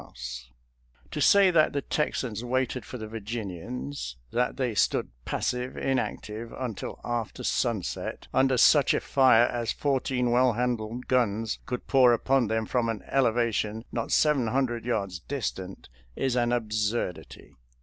FOURTH TEXAS AT GAINES' MILLS 305 To say that the Texans waited for the Vir ginians — ^that they stood passive, inactive, until after sunset, under such a fire as fourteen well handled guns could pour upon them from an elevation not seven hundred yards distant, is an absurdity.